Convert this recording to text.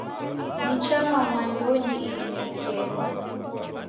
Nichagha mwandunyi idime kenyi